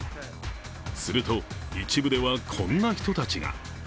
すると一部ではこんな人たちが。